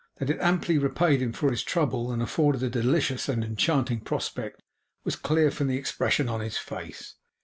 That it amply repaid him for his trouble, and afforded a delicious and enchanting prospect, was clear from the expression of his face.